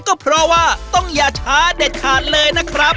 ก็เพราะว่าต้องอย่าช้าเด็ดขาดเลยนะครับ